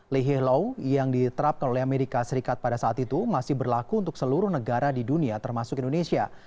lihih law yang diterapkan oleh amerika serikat pada saat itu masih berlaku untuk seluruh negara di dunia termasuk indonesia